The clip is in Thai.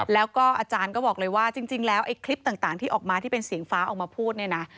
แล้วก็อาจารย์ก็บอกเลยว่าจริงแล้วไอ้คลิปต่างที่ออกมาที่เป็นเสียงฟ้าออกมาพูดเนี่ยนะ